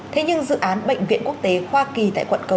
thế nhưng dự án bệnh viện quốc tế khoa kỳ tại quận cộng đồng